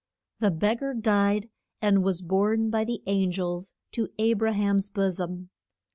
The beg gar died, and was borne by the an gels to A bra ham's bo som.